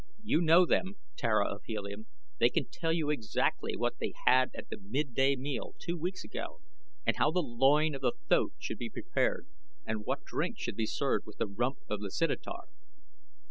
You know them, Tara of Helium; they can tell you exactly what they had at the midday meal two weeks ago, and how the loin of the thoat should be prepared, and what drink should be served with the rump of the zitidar."